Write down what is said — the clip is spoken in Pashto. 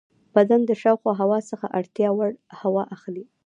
بدن د شاوخوا هوا څخه اړتیا وړ هوا اخلي.